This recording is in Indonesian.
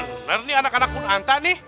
bener nih anak anak kunanta nih